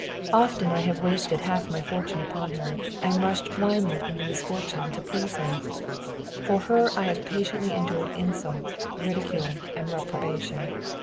Often have I wasted half my fortune upon her, and rushed blindly into misfortune to please her. For her have I patiently endured insult, ridicule, and reprobation.